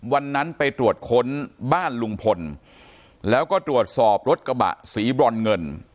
วันนั้นไปตรวจค้นบ้านลุงพลแล้วก็ตรวจสอบรถกระบะสีบรอนเงิน